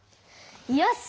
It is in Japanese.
よし！